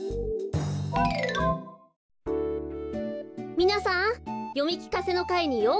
みなさんよみきかせのかいにようこそ。